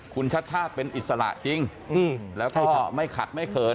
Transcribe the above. คุณชัดชาติเป็นอิสระจริงแล้วก็ไม่ขัดไม่เขิน